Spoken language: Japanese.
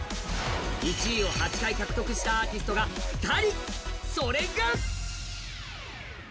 １位を８回獲得したアーティストが２人。